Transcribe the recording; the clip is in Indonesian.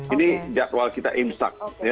ini jadwal kita imsak